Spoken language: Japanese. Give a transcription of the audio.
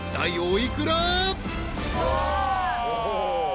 お！